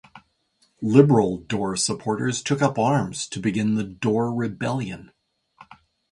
Liberal Dorr supporters took up arms to begin the Dorr Rebellion.